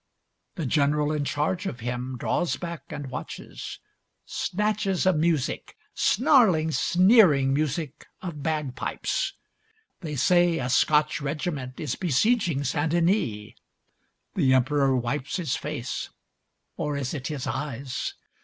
The General in charge of him draws back and watches. Snatches of music snarling, sneering music of bagpipes. They say a Scotch regiment is besieging Saint Denis. The Emperor wipes his face, or is it his eyes.